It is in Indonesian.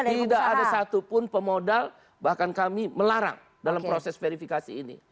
tidak ada satupun pemodal bahkan kami melarang dalam proses verifikasi ini